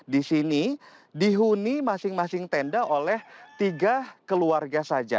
di sini dihuni masing masing tenda oleh tiga keluarga saja